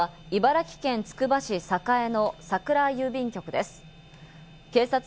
事件があったのは、茨城県つくば市、栄のさくら郵便局です。